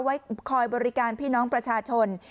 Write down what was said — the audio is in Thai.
ไว้คอยบริการพี่น้องประชาชน